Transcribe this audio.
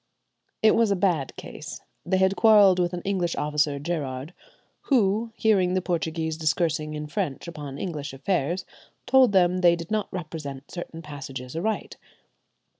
It was a bad case. They had quarrelled with an English officer, Gerard, who, hearing the Portuguese discoursing in French upon English affairs, told them they did not represent certain passages aright.